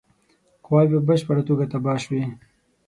قواوي په بشپړه توګه تباه شوې.